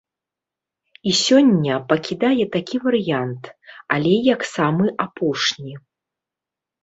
І сёння пакідае такі варыянт, але як самы апошні.